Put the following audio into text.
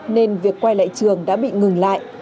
nên việc quay lại trường đã bị ngừng lại